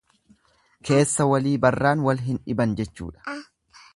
Keessa wali barraan wal hin dhiban jechuudha.